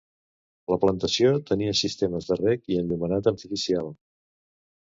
La plantació tenia sistemes de reg i enllumenat artificial.